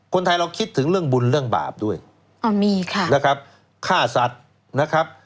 คนไทยเราคิดถึงเรื่องบุญเรื่องบาปด้วยค่าสัตว์นะครับ